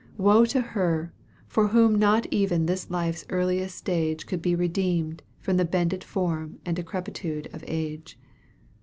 woe to her, for whom not even this life's earliest stage Could be redeemed from the bended form and decrepitude of age.